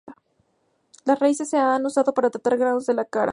Las raíces se han usado para tratar granos en la cara.